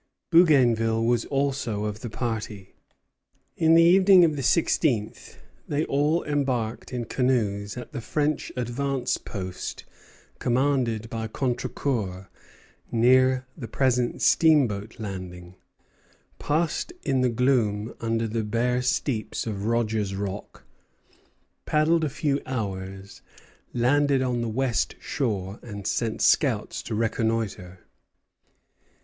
Bougainville was also of the party. In the evening of the sixteenth they all embarked in canoes at the French advance post commanded by Contrecœur, near the present steamboat landing, passed in the gloom under the bare steeps of Rogers Rock, paddled a few hours, landed on the west shore, and sent scouts to reconnoitre.